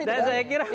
ya kan itu kan